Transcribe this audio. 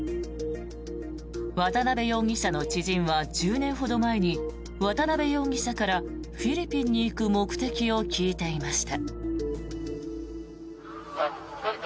渡邉容疑者の知人は１０年ほど前に渡邉容疑者からフィリピンに行く目的を聞いていました。